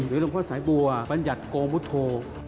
หลวงพ่อสายบัวบัญญัติโกมุทโธ